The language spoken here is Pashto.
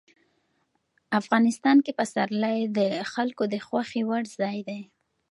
افغانستان کې پسرلی د خلکو د خوښې وړ ځای دی.